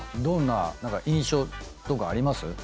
どんな印象とかあります？